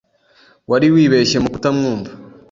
Wari wibeshye mukutamwumva.